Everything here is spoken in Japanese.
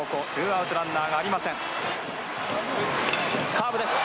カーブです。